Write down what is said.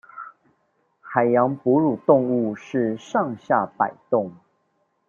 海洋哺乳動物是上下擺動